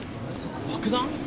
爆弾？